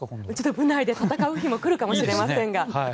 一度、部内で戦う日が来るかもしれませんが。